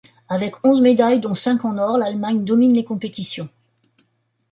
Avec onze médailles, dont cinq en or, l'Allemagne domine les compétitions.